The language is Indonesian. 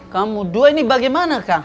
kamu dua ini bagaimana kang